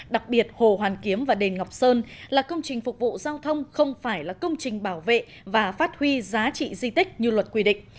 đặc biệt hồ hoàn kiếm và đền ngọc sơn là công trình phục vụ giao thông không phải là công trình bảo vệ và phát huy giá trị di tích như luật quy định